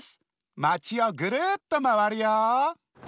まちをぐるっとまわるよ！